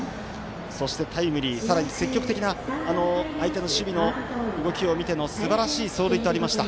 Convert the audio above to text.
そして、タイムリーさらに積極的な相手の守備の動きを見てのすばらしい走塁もありました。